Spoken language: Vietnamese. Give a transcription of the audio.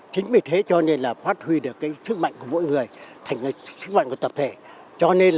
chính vì thế cho nên là phát huy được sức mạnh của mỗi người sức mạnh của tập thể